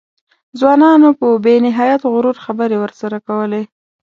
ځوانانو په بې نهایت غرور خبرې ورسره کولې.